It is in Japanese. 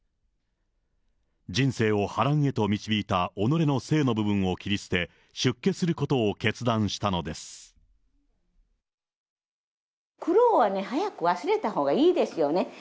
人生を波乱へと導いたおのれの性の部分を切り捨て、出家すること苦労はね、早く忘れたほうがいいですよね。